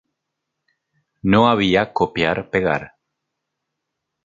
No había copiar pegar.